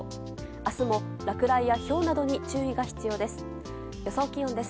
明日も落雷やひょうなどに注意が必要です。